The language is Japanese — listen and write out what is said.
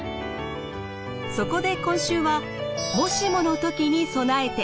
そこで今週は「もしもの時に備えて」。